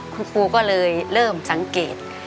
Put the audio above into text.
คุณครูก็เลยเริ่มสังเกต